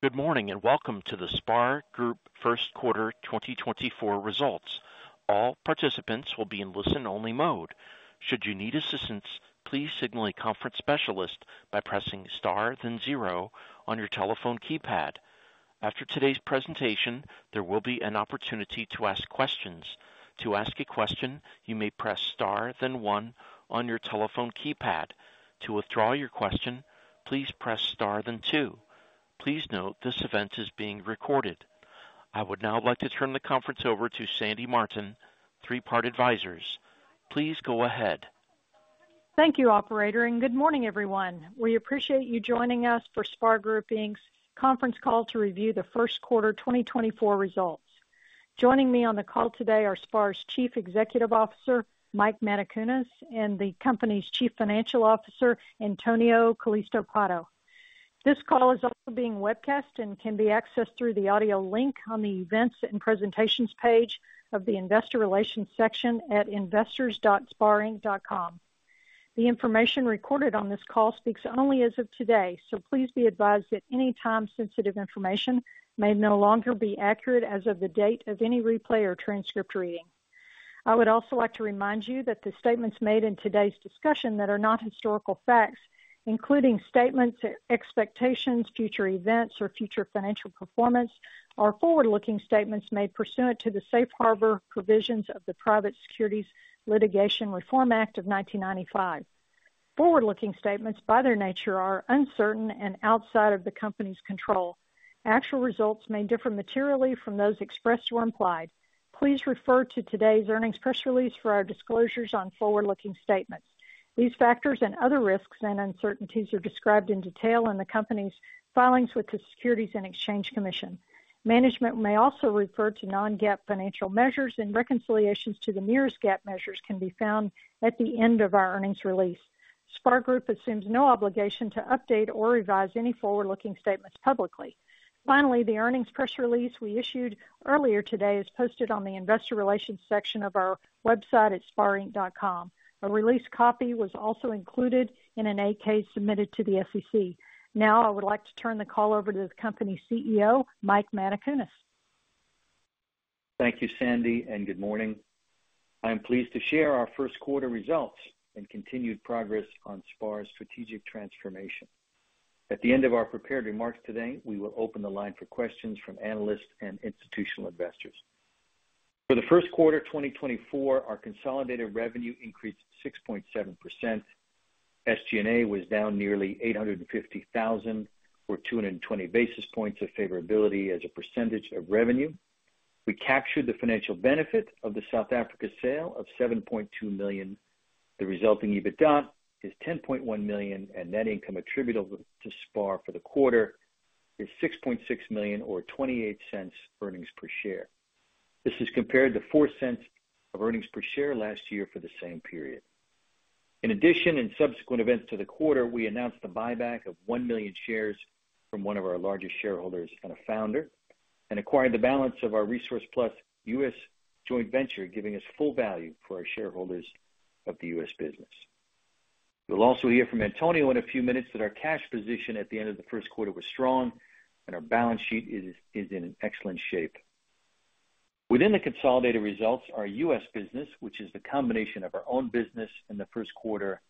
Good morning, and welcome to the SPAR Group first quarter 2024 results. All participants will be in listen-only mode. Should you need assistance, please signal a conference specialist by pressing star then zero on your telephone keypad. After today's presentation, there will be an opportunity to ask questions. To ask a question, you may press star then one on your telephone keypad. To withdraw your question, please press star then two. Please note, this event is being recorded. I would now like to turn the conference over to Sandy Martin, Three Part Advisors. Please go ahead. Thank you, Operator, and good morning, everyone. We appreciate you joining us for SPAR Group, Inc's conference call to review the first quarter 2024 results. Joining me on the call today are SPAR's Chief Executive Officer, Mike Matacunas, and the company's Chief Financial Officer, Antonio Calisto Pato. This call is also being webcast and can be accessed through the audio link on the Events and Presentations page of the Investor Relations section at investors.sparinc.com. The information recorded on this call speaks only as of today, so please be advised that any time-sensitive information may no longer be accurate as of the date of any replay or transcript reading. I would also like to remind you that the statements made in today's discussion that are not historical facts, including statements, expectations, future events, or future financial performance, are forward-looking statements made pursuant to the safe harbor provisions of the Private Securities Litigation Reform Act of 1995. Forward-looking statements, by their nature, are uncertain and outside of the company's control. Actual results may differ materially from those expressed or implied. Please refer to today's earnings press release for our disclosures on forward-looking statements. These factors and other risks and uncertainties are described in detail in the company's filings with the Securities and Exchange Commission. Management may also refer to non-GAAP financial measures and reconciliations to the nearest GAAP measures can be found at the end of our earnings release. SPAR Group assumes no obligation to update or revise any forward-looking statements publicly. Finally, the earnings press release we issued earlier today is posted on the Investor Relations section of our website at sparinc.com. A release copy was also included in an 8-K submitted to the SEC. Now, I would like to turn the call over to the company's CEO, Mike Matacunas. Thank you, Sandy, and good morning. I'm pleased to share our first quarter results and continued progress on SPAR's strategic transformation. At the end of our prepared remarks today, we will open the line for questions from analysts and institutional investors. For the first quarter 2024, our consolidated revenue increased 6.7%. SG&A was down nearly $850,000, or 220 basis points of favorability as a percentage of revenue. We captured the financial benefit of the South Africa sale of $7.2 million. The resulting EBITDA is $10.1 million, and net income attributable to SPAR for the quarter is $6.6 million, or $0.28 earnings per share. This is compared to $0.04 of earnings per share last year for the same period. In addition, in subsequent events to the quarter, we announced the buyback of 1 million shares from one of our largest shareholders and a founder, and acquired the balance of our Resource Plus U.S. joint venture, giving us full value for our shareholders of the U.S. business. You'll also hear from Antonio in a few minutes that our cash position at the end of the first quarter was strong and our balance sheet is in excellent shape. Within the consolidated results, our U.S. business, which is the combination of our own business in the first quarter,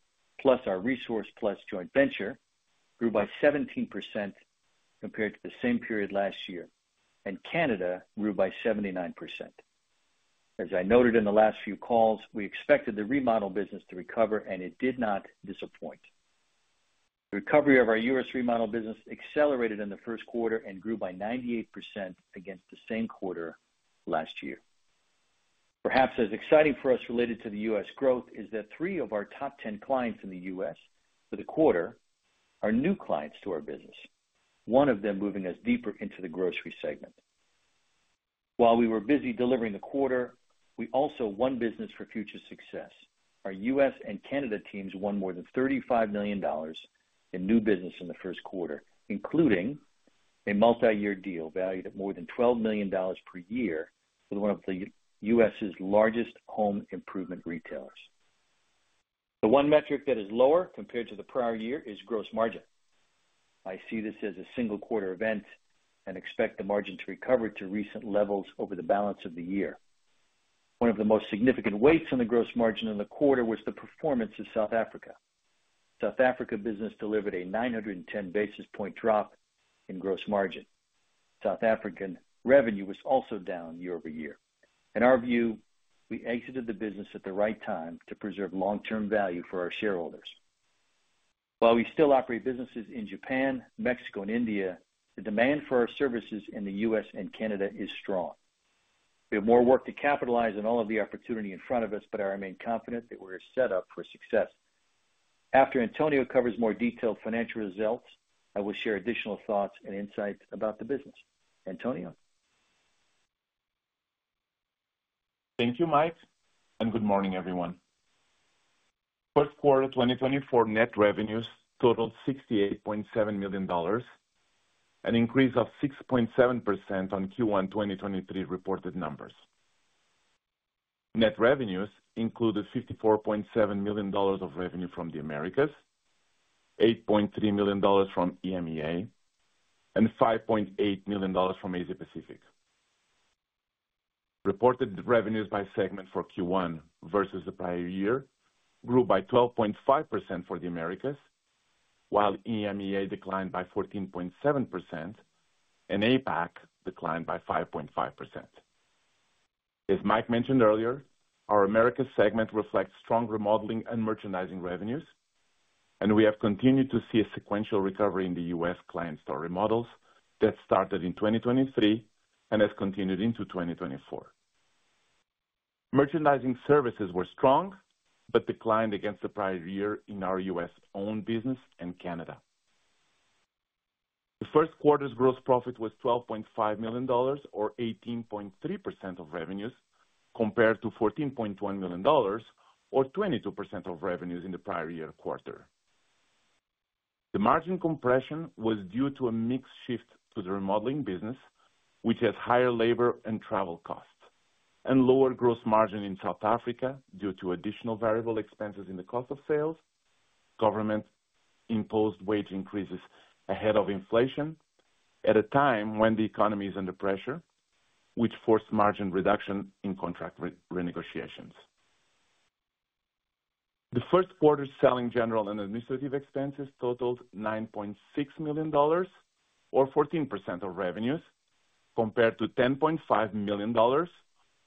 plus our Resource Plus joint venture, grew by 17% compared to the same period last year, and Canada grew by 79%. As I noted in the last few calls, we expected the remodel business to recover, and it did not disappoint. The recovery of our U.S. remodel business accelerated in the first quarter and grew by 98% against the same quarter last year. Perhaps as exciting for us related to the U.S. growth is that three of our top 10 clients in the U.S. for the quarter are new clients to our business, one of them moving us deeper into the grocery segment. While we were busy delivering the quarter, we also won business for future success. Our U.S. and Canada teams won more than $35 million in new business in the first quarter, including a multiyear deal valued at more than $12 million per year with one of the U.S.'s largest home improvement retailers. The one metric that is lower compared to the prior year is gross margin. I see this as a single quarter event and expect the margin to recover to recent levels over the balance of the year. One of the most significant weights on the gross margin in the quarter was the performance of South Africa. South Africa business delivered a 910 basis point drop in gross margin. South African revenue was also down year-over-year. In our view, we exited the business at the right time to preserve long-term value for our shareholders. While we still operate businesses in Japan, Mexico and India, the demand for our services in the U.S. and Canada is strong. We have more work to capitalize on all of the opportunity in front of us, but I remain confident that we're set up for success. After Antonio covers more detailed financial results, I will share additional thoughts and insights about the business. Antonio? Thank you, Mike, and good morning, everyone. First quarter 2024 net revenues totaled $68.7 million, an increase of 6.7% on Q1 2023 reported numbers. Net revenues included $54.7 million of revenue from the Americas, $8.3 million from EMEA, and $5.8 million from Asia Pacific. Reported revenues by segment for Q1 versus the prior year grew by 12.5% for the Americas, while EMEA declined by 14.7% and APAC declined by 5.5%. As Mike mentioned earlier, our Americas segment reflects strong Remodeling and Merchandising revenues, and we have continued to see a sequential recovery in the U.S. client store remodels that started in 2023 and has continued into 2024. Merchandising services were strong, but declined against the prior year in our U.S. own business and Canada. The first quarter's gross profit was $12.5 million, or 18.3% of revenues, compared to $14.1 million, or 22% of revenues in the prior year quarter. The margin compression was due to a mix shift to the Remodeling business, which has higher labor and travel costs and lower gross margin in South Africa due to additional variable expenses in the cost of sales, government-imposed wage increases ahead of inflation, at a time when the economy is under pressure, which forced margin reduction in contract renegotiations. The first quarter Selling, General, and Administrative expenses totaled $9.6 million, or 14% of revenues, compared to $10.5 million,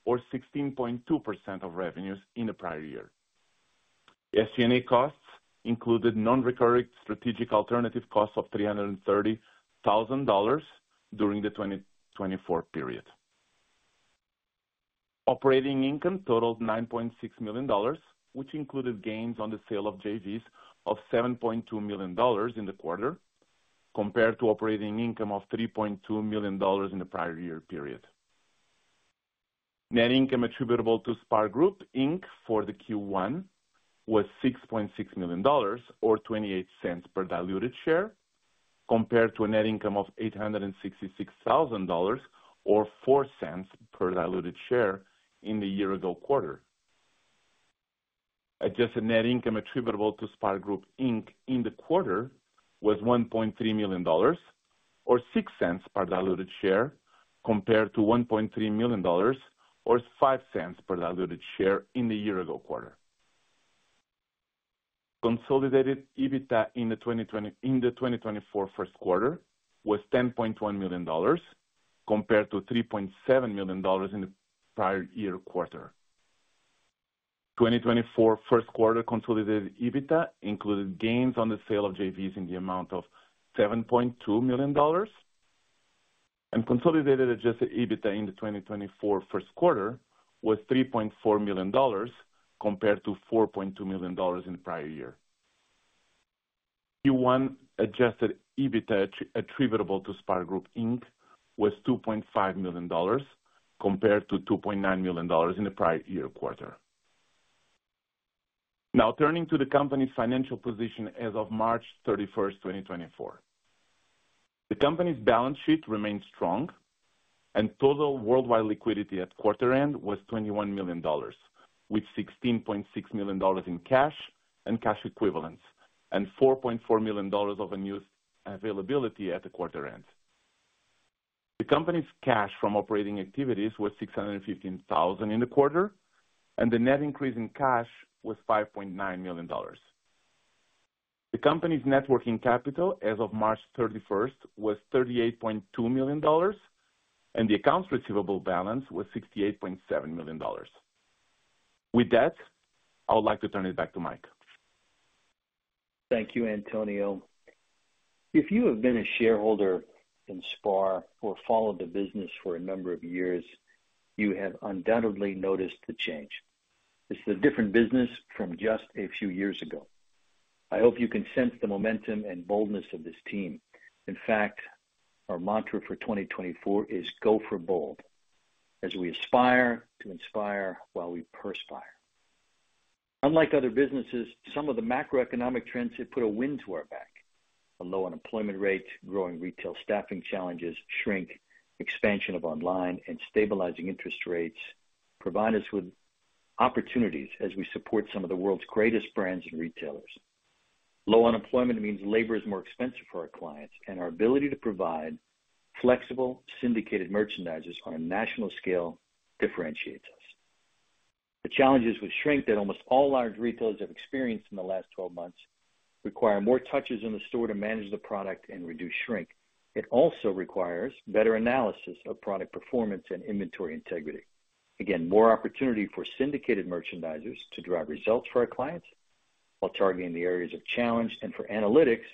or 16.2% of revenues in the prior year. SG&A costs included non-recurring strategic alternative costs of $330,000 during the 2024 period. Operating income totaled $9.6 million, which included gains on the sale of JVs of $7.2 million in the quarter, compared to operating income of $3.2 million in the prior year period. Net income attributable to SPAR Group, Inc for the Q1 was $6.6 million, or $0.28 per diluted share, compared to a net income of $866,000, or $0.04 per diluted share in the year-ago quarter. Adjusted net income attributable to SPAR Group, Inc in the quarter was $1.3 million, or $0.06 per diluted share, compared to $1.3 million, or $0.05 per diluted share in the year-ago quarter. Consolidated EBITDA in the 2024 first quarter was $10.1 million, compared to $3.7 million in the prior year quarter. 2024 first quarter consolidated EBITDA included gains on the sale of JVs in the amount of $7.2 million, and consolidated adjusted EBITDA in the 2024 first quarter was $3.4 million, compared to $4.2 million in the prior year. Q1 adjusted EBITDA attributable to SPAR Group, Inc was $2.5 million, compared to $2.9 million in the prior year quarter. Now turning to the company's financial position as of March 31st, 2024. The company's balance sheet remains strong, and total worldwide liquidity at quarter end was $21 million, with $16.6 million in cash and cash equivalents, and $4.4 million of unused availability at the quarter end. The company's cash from operating activities was $615,000 in the quarter, and the net increase in cash was $5.9 million. The company's net working capital as of March 31st was $38.2 million, and the accounts receivable balance was $68.7 million. With that, I would like to turn it back to Mike. Thank you, Antonio. If you have been a shareholder in SPAR or followed the business for a number of years, you have undoubtedly noticed the change. It's a different business from just a few years ago. I hope you can sense the momentum and boldness of this team. In fact, our mantra for 2024 is "Go for bold," as we aspire to inspire while we perspire. Unlike other businesses, some of the macroeconomic trends have put a wind to our back. A low unemployment rate, growing retail staffing challenges, shrink, expansion of online, and stabilizing interest rates provide us with opportunities as we support some of the world's greatest brands and retailers. Low unemployment means labor is more expensive for our clients, and our ability to provide flexible, syndicated merchandisers on a national scale differentiates us. The challenges with shrink that almost all large retailers have experienced in the last 12 months require more touches in the store to manage the product and reduce shrink. It also requires better analysis of product performance and inventory integrity. Again, more opportunity for syndicated merchandisers to drive results for our clients while targeting the areas of challenge, and for analytics,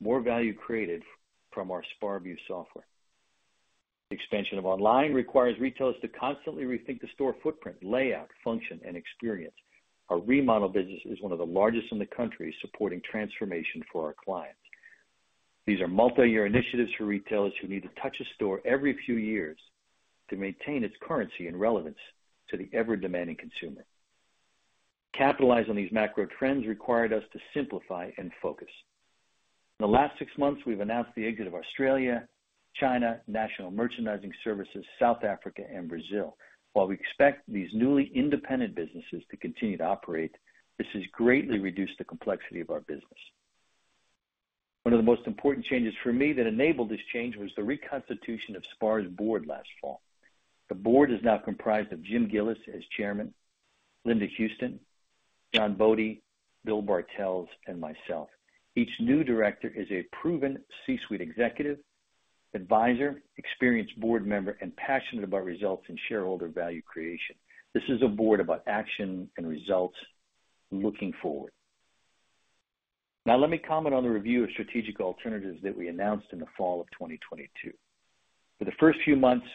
more value created from our SPARview software. Expansion of online requires retailers to constantly rethink the store footprint, layout, function, and experience. Our Remodel business is one of the largest in the country, supporting transformation for our clients. These are multiyear initiatives for retailers who need to touch a store every few years to maintain its currency and relevance to the ever-demanding consumer. Capitalize on these macro trends required us to simplify and focus. In the last six months, we've announced the exit of Australia, China, National Merchandising Services, South Africa, and Brazil. While we expect these newly independent businesses to continue to operate, this has greatly reduced the complexity of our business. One of the most important changes for me that enabled this change was the reconstitution of SPAR's Board last fall. The Board is now comprised of Jim Gillies as chairman, Linda Houston, John Bode, Bill Bartels, and myself. Each new director is a proven C-Suite executive, advisor, experienced board member, and passionate about results and shareholder value creation. This is a board about action and results looking forward. Now, let me comment on the review of strategic alternatives that we announced in the fall of 2022. For the first few months,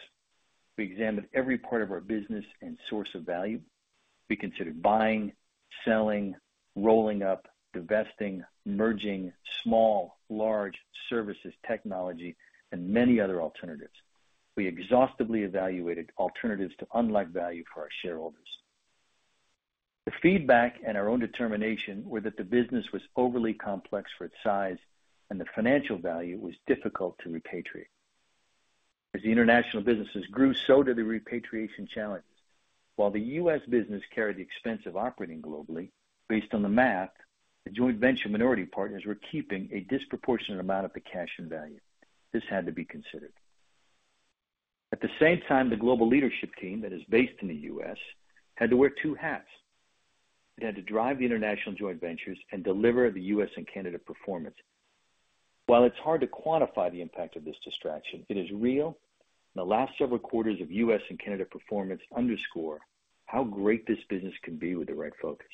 we examined every part of our business and source of value. We considered buying, selling, rolling up, divesting, merging, small, large services, technology, and many other alternatives. We exhaustively evaluated alternatives to unlock value for our shareholders. The feedback and our own determination were that the business was overly complex for its size and the financial value was difficult to repatriate. As the international businesses grew, so did the repatriation challenges. While the U.S. business carried the expense of operating globally, based on the math, the joint venture minority partners were keeping a disproportionate amount of the cash and value. This had to be considered. At the same time, the global leadership team that is based in the U.S. had to wear two hats. They had to drive the international joint ventures and deliver the U.S. and Canada performance. While it's hard to quantify the impact of this distraction, it is real. The last several quarters of U.S. and Canada performance underscore how great this business can be with the right focus.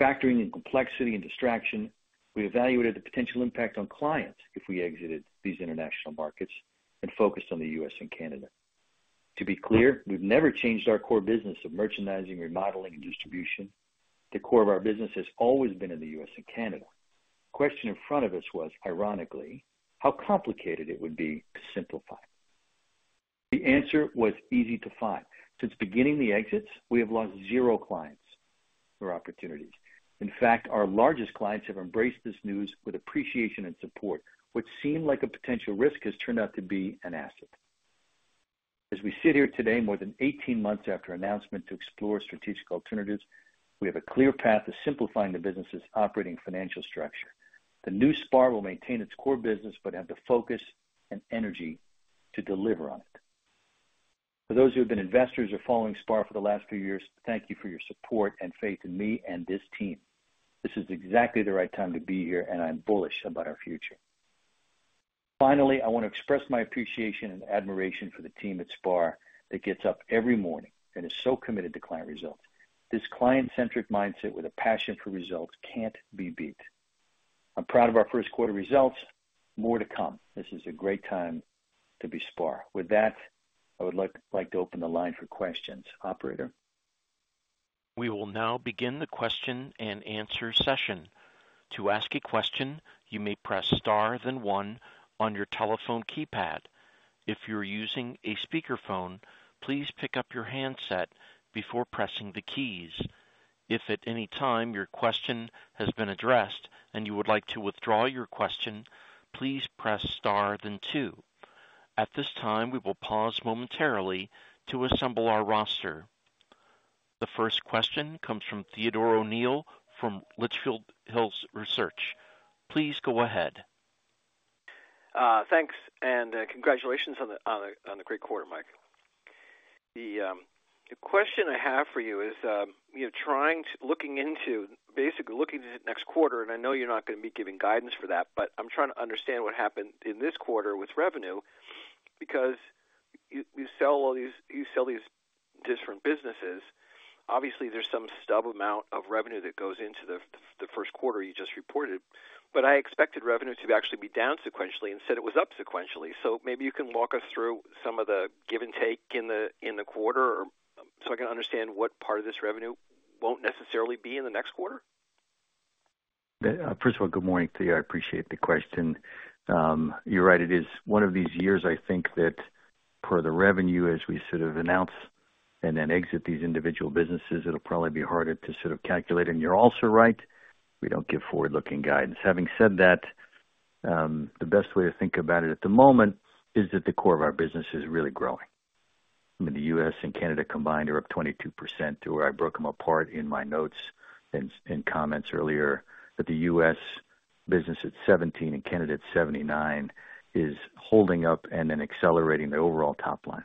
Factoring in complexity and distraction, we evaluated the potential impact on clients if we exited these international markets and focused on the U.S. and Canada. To be clear, we've never changed our core business of Merchandising, Remodeling, and Distribution. The core of our business has always been in the U.S. and Canada. The question in front of us was, ironically, how complicated it would be to simplify? The answer was easy to find. Since beginning the exits, we have lost zero clients or opportunities. In fact, our largest clients have embraced this news with appreciation and support. What seemed like a potential risk has turned out to be an asset. As we sit here today, more than 18 months after announcement to explore strategic alternatives, we have a clear path to simplifying the business's operating financial structure. The new SPAR will maintain its core business, but have the focus and energy to deliver on it. For those who have been investors or following SPAR for the last few years, thank you for your support and faith in me and this team. This is exactly the right time to be here, and I'm bullish about our future. Finally, I want to express my appreciation and admiration for the team at SPAR that gets up every morning and is so committed to client results. This client-centric mindset with a passion for results can't be beat. I'm proud of our first quarter results. More to come. This is a great time to be SPAR. With that, I would like, like to open the line for questions. Operator? We will now begin the question-and answer-session. To ask a question, you may press star then one on your telephone keypad. If you're using a speakerphone, please pick up your handset before pressing the keys. If at any time your question has been addressed and you would like to withdraw your question, please press star then two. At this time, we will pause momentarily to assemble our roster. The first question comes from Theodore O'Neill from Litchfield Hills Research. Please go ahead. Thanks, and congratulations on the great quarter, Mike. The question I have for you is, you know, looking into, basically looking at next quarter, and I know you're not gonna be giving guidance for that, but I'm trying to understand what happened in this quarter with revenue, because you sell all these. You sell these different businesses. Obviously, there's some stub amount of revenue that goes into the first quarter you just reported, but I expected revenue to actually be down sequentially, instead it was up sequentially. So maybe you can walk us through some of the give and take in the quarter, or so I can understand what part of this revenue won't necessarily be in the next quarter. First of all, good morning to you. I appreciate the question. You're right, it is one of these years I think that per the revenue, as we sort of announce and then exit these individual businesses, it'll probably be harder to sort of calculate. And you're also right, we don't give forward-looking guidance. Having said that, the best way to think about it at the moment is that the core of our business is really growing. I mean, the U.S. and Canada combined are up 22% to where I broke them apart in my notes and, and comments earlier, that the U.S. business at 17% and Canada at 79% is holding up and then accelerating the overall top line.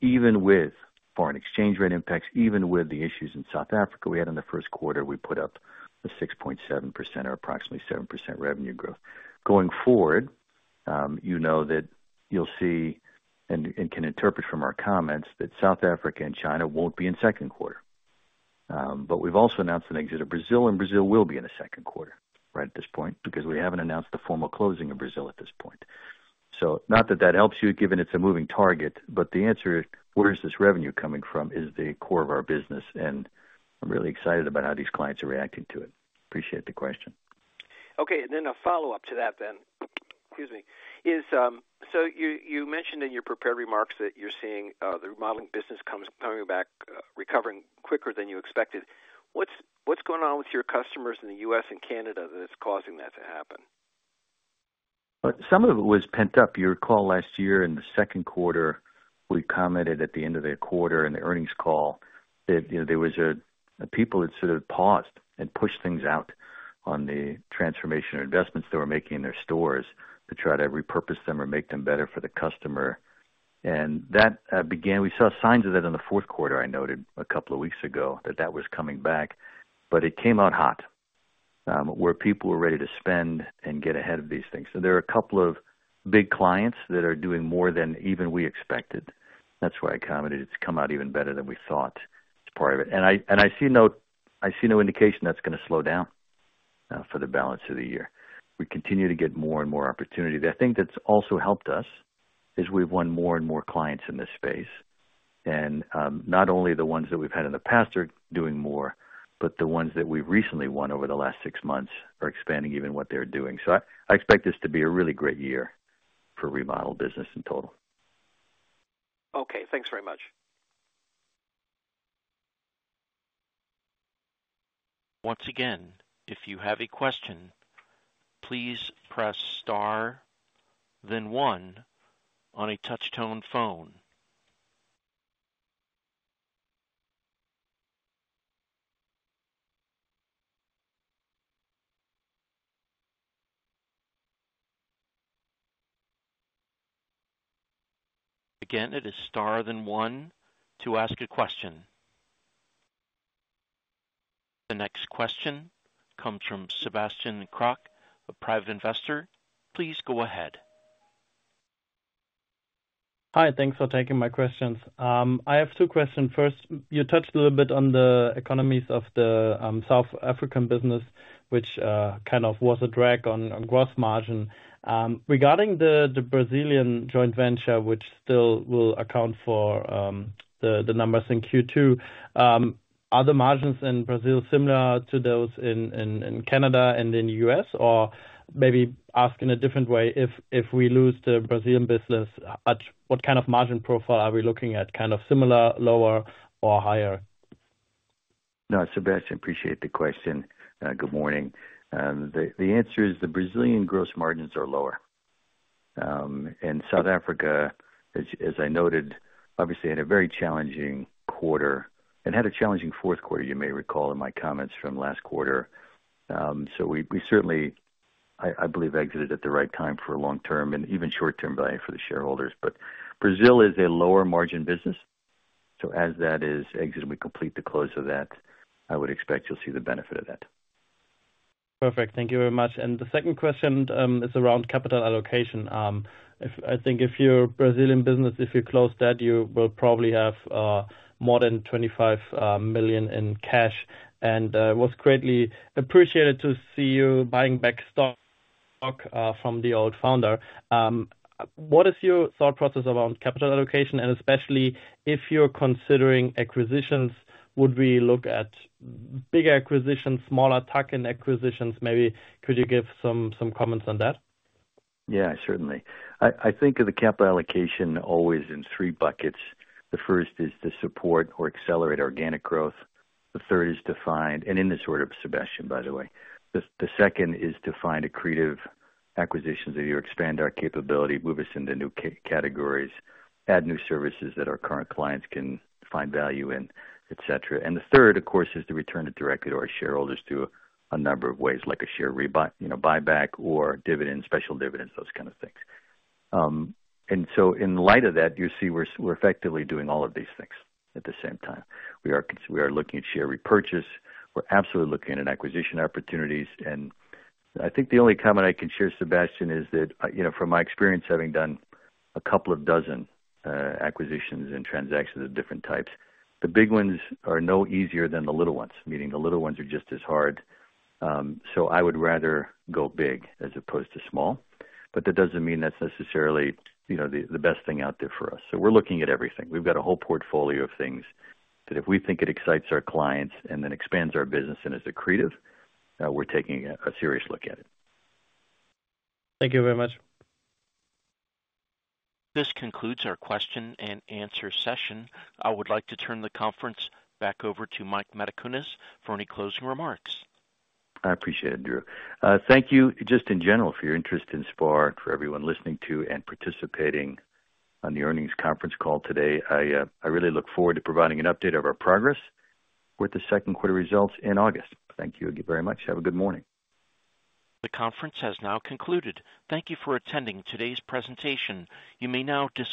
Even with foreign exchange rate impacts, even with the issues in South Africa we had in the first quarter, we put up a 6.7% or approximately 7% revenue growth. Going forward, you know that you'll see and, and can interpret from our comments that South Africa and China won't be in second quarter. But we've also announced an exit of Brazil, and Brazil will be in the second quarter, right at this point, because we haven't announced the formal closing of Brazil at this point. So not that that helps you, given it's a moving target, but the answer is, where is this revenue coming from? Is the core of our business, and I'm really excited about how these clients are reacting to it. Appreciate the question. Okay, and then a follow-up to that, excuse me, is, so you mentioned in your prepared remarks that you're seeing the remodeling business coming back, recovering quicker than you expected. What's going on with your customers in the US and Canada that's causing that to happen? Some of it was pent up. You recall last year in the second quarter, we commented at the end of the quarter in the earnings call that, you know, there was, people had sort of paused and pushed things out on the transformation or investments they were making in their stores to try to repurpose them or make them better for the customer. And that began. We saw signs of that in the fourth quarter. I noted a couple of weeks ago that that was coming back, but it came out hot, where people were ready to spend and get ahead of these things. So there are a couple of big clients that are doing more than even we expected. That's why I commented. It's come out even better than we thought. It's part of it, and I see no indication that's going to slow down for the balance of the year. We continue to get more and more opportunity. The thing that's also helped us is we've won more and more clients in this space, and not only the ones that we've had in the past are doing more, but the ones that we've recently won over the last six months are expanding even what they're doing. So I expect this to be a really great year for Remodel business in total. Okay, thanks very much. Once again, if you have a question, please press star then one on a touch tone phone. Again, it is star then one to ask a question. The next question comes from Sebastian Krok, a private investor. Please go ahead. Hi, thanks for taking my questions. I have two questions. First, you touched a little bit on the economies of the South African business, which kind of was a drag on gross margin. Regarding the Brazilian joint venture, which still will account for the numbers in Q2, are the margins in Brazil similar to those in Canada and in the U.S.? Or maybe ask in a different way, if we lose the Brazilian business, at what kind of margin profile are we looking at? Kind of similar, lower or higher? No, Sebastian, appreciate the question. Good morning. The answer is the Brazilian gross margins are lower. And South Africa, as I noted, obviously had a very challenging quarter and had a challenging fourth quarter. You may recall in my comments from last quarter. So we certainly believe we exited at the right time for long-term and even short-term value for the shareholders. But Brazil is a lower margin business, so as that is exited, we complete the close of that. I would expect you'll see the benefit of that. Perfect. Thank you very much. And the second question is around capital allocation. I think if your Brazilian business, if you close that, you will probably have more than $25 million in cash. And was greatly appreciated to see you buying back stock from the old founder. What is your thought process around capital allocation? And especially if you're considering acquisitions, would we look at big acquisitions, smaller tuck-in acquisitions, maybe? Could you give some comments on that? Yeah, certainly. I think of the capital allocation always in three buckets. The first is to support or accelerate organic growth. The third is to find, and in this order, Sebastian, by the way. The second is to find accretive acquisitions that either expand our capability, move us into new categories, add new services that our current clients can find value in, et cetera. And the third, of course, is to return it directly to our shareholders through a number of ways, like a share rebuy, you know, buyback or dividends, special dividends, those kind of things. And so in light of that, you see, we're effectively doing all of these things at the same time. We are looking at share repurchase. We're absolutely looking at acquisition opportunities. And I think the only comment I can share, Sebastian, is that, you know, from my experience, having done a couple of dozen acquisitions and transactions of different types, the big ones are no easier than the little ones. Meaning, the little ones are just as hard. So I would rather go big as opposed to small, but that doesn't mean that's necessarily, you know, the best thing out there for us. So we're looking at everything. We've got a whole portfolio of things that if we think it excites our clients and then expands our business and is accretive, we're taking a serious look at it. Thank you very much. This concludes our question-and-answer session. I would like to turn the conference back over to Mike Matacunas for any closing remarks. I appreciate it, Andrew. Thank you, just in general, for your interest in SPAR and for everyone listening to and participating on the earnings conference call today. I, I really look forward to providing an update of our progress with the second quarter results in August. Thank you again very much. Have a good morning. The conference has now concluded. Thank you for attending today's presentation. You may now disconnect.